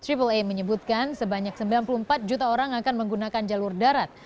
menyebutkan sebanyak sembilan puluh empat juta orang akan menggunakan jalur darat